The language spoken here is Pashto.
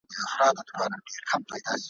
د بازانو پرې یرغل وي موږ پردي یو له خپل ځانه ,